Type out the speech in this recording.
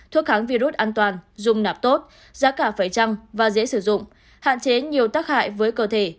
thuốc kháng virus an toàn dùng nạp tốt giá cả phải trăng và dễ sử dụng hạn chế nhiều tác hại với cơ thể